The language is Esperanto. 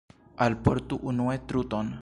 Alportu unue truton.